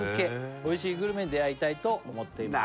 「おいしいグルメに出会いたいと思っています」